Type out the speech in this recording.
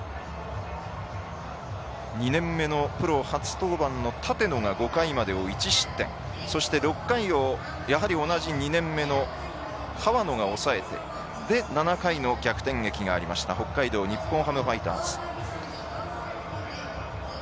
２年目のプロ初登板の立野が５回までを１失点６回をやはり同じ２年目の河野が抑えて７回の逆転劇がありました北海道日本ハムファイターズ。